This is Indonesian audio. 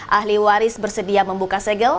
ahli waris bersedia membuka segel